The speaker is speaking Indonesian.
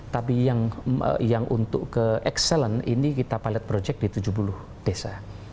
tapi yang untuk ke excellent ini kita pilot project di tujuh puluh desa